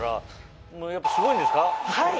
はい！